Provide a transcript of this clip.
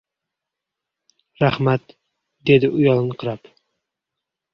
— Rahmat, — dedi uyalinqirab.